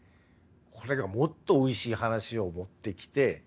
これがもっとおいしい話を持ってきて。